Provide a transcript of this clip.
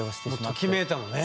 ときめいたのね。